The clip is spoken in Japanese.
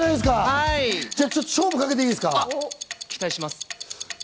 じゃあ勝負かけていいですか？